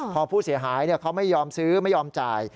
พอผู้เสียหายเขาไม่ยอมซื้อไม่ยอมจ่าย